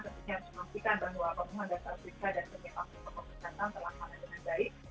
tentunya harus memastikan pengumuman dasar swisat dan penyelenggaraan kekomunikasian telah aman dengan baik